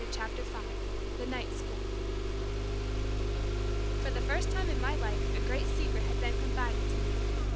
CHAPTER FIVE THE NIGHT SCHOOL For the first time in my life a great secret had been confided to me.